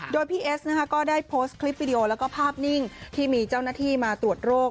โดยพี่เอสนะคะก็ได้โพสต์คลิปวิดีโอแล้วก็ภาพนิ่งที่มีเจ้าหน้าที่มาตรวจโรค